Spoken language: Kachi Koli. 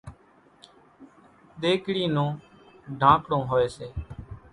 ۮيڳڙِي نون ڍانڪڙون هوئيَ سي۔